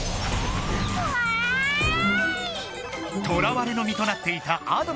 とらわれの身となっていたあ